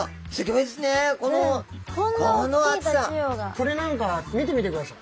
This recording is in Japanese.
これなんか見てみてください。